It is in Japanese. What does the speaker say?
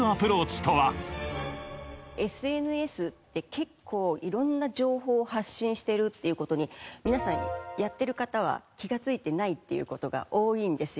ＳＮＳで結構色んな情報を発信してるっていう事に皆さんやってる方は気がついてないっていう事が多いんですよ。